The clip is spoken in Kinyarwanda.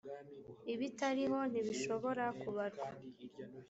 ibitariho ntibishobora kubarwa